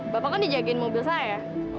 bapak kan dijagain mobil saya